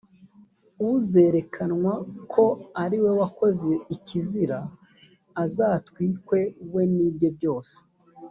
uzerekanwa ko ari we wakoze ikizira, azatwikwe we n’ibye byose